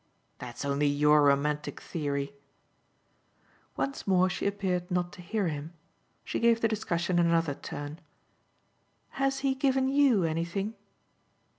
"That's only your romantic theory." Once more she appeared not to hear him; she gave the discussion another turn. "Has he given YOU anything?"